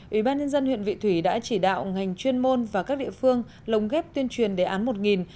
ubnd huyện vị thủy đã chỉ đạo ngành chuyên môn và các địa phương lồng ghép tuyên truyền đề án một